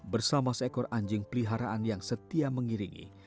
bersama seekor anjing peliharaan yang setia mengiringi